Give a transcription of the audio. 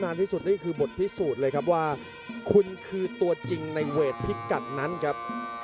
ที่สุดนี่คือบทพิสูจน์เลยครับว่าคุณคือตัวจริงในเวทพิกัดนั้นครับ